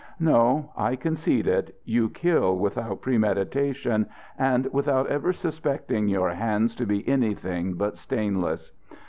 No, I concede it: you kill without premeditation, and without ever suspecting your hands to be anything but stainless.